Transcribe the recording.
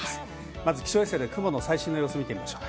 まず気象衛星で雲の最新の様子を見てみましょう。